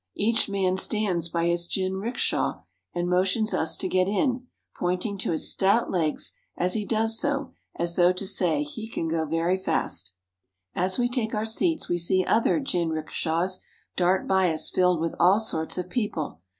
Each man stands by his jinrikisha and motions us to get in, pointing to his stout legs as he does so as though to say he can go very fast. As we take our seats we see other jinrikishas dart by us filled with all sorts of people.